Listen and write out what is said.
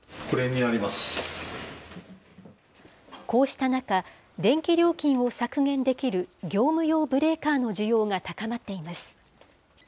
こうした中、電気料金を削減できる業務用ブレーカーの需要が高まっています。